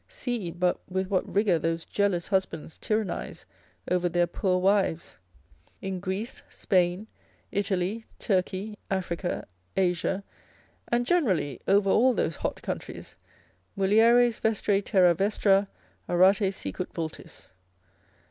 See but with what rigour those jealous husbands tyrannise over their poor wives. In Greece, Spain, Italy, Turkey, Africa, Asia, and generally over all those hot countries, Mulieres vestrae terra vestra, arate sicut vultis.